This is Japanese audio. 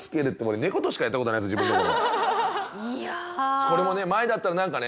それもね前だったらなんかね